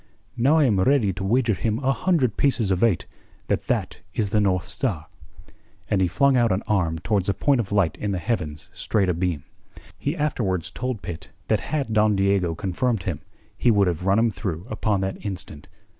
"Now I am ready to wager him a hundred pieces of eight that that is the North Star." And he flung out an arm towards a point of light in the heavens straight abeam. He afterwards told Pitt that had Don Diego confirmed him, he would have run him through upon that instant.